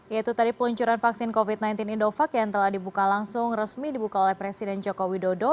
yaitu tadi peluncuran vaksin covid sembilan belas indovac yang telah dibuka langsung resmi dibuka oleh presiden joko widodo